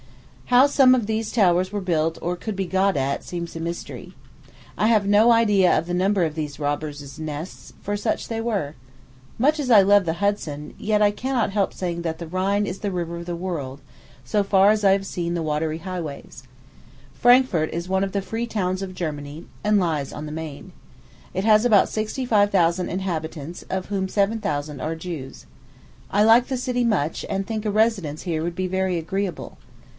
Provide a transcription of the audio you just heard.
How some of these towers were built, or could be got at, seems a mystery. I had no idea of the number of these robbers' nests, for such they were. Much as I love the Hudson, yet I cannot help saying that the Rhine is the river of the world, so far as I have seen the watery highways. Frankfort is one of the free towns of Germany, and lies on the Maine. It has about sixty five thousand inhabitants, of whom seven thousand are Jews. I like the city much, and think a residence here would be very agreeable.